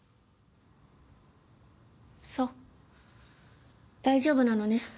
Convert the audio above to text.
そう大丈夫なのね？